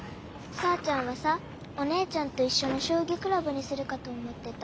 さーちゃんはさお姉ちゃんといっしょのしょうぎクラブにするかと思ってた。